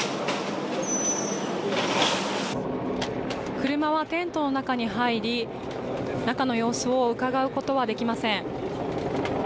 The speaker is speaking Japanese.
車はテントの中に入り、中の様子をうかがうことはできません。